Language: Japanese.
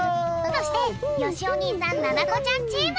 そしてよしお兄さんななこちゃんチーム！